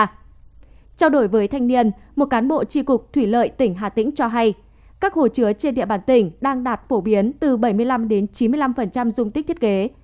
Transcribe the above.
trao đổi với thanh niên một cán bộ tri cục thủy lợi tỉnh hà tĩnh cho hay các hồ chứa trên địa bàn tỉnh đang đạt phổ biến từ bảy mươi năm đến chín mươi năm dung tích thiết kế